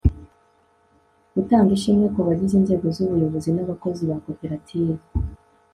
gutanga ishimwe ku bagize inzego z'ubuyobozi n'abakozi ba koperative